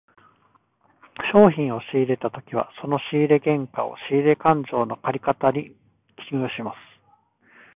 商品を仕入れたときはその仕入れ原価を、仕入れ勘定の借方に記入します。